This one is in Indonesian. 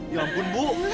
ya ampun bu